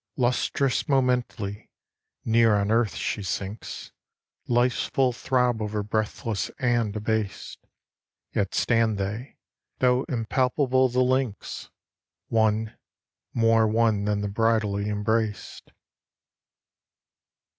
Lustrous momently, near on earth she sinks; Life's full throb over breathless and abased: Yet stand they, though impalpable the links, One, more one than the bridally embraced.